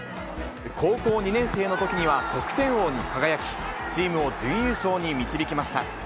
高校２年生のときには、得点王に輝き、チームを準優勝に導きました。